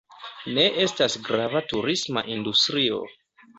Ne estas grava turisma industrio.